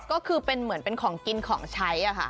ก็คือเหมือนของกินของใช้ครับค่ะ